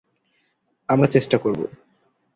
আমরা চেষ্টা করবো।